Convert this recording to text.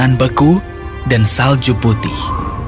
bahan beku dan salju putih